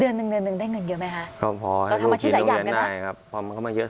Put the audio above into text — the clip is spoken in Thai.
เดือนนึงได้เงินเยอะไหมคะเราทำอาชีพหลายอย่างกันนะครับก็พอให้ลูกยินโรงเรียนได้ครับ